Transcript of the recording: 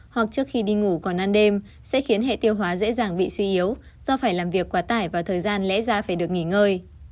hoặc trước khi đi ngủ còn ăn đêm sẽ khiến hệ tiêu hóa dễ dàng bị suy yếu do phải làm việc quá tải và thời gian lẽ ra phải được nghỉ ngơi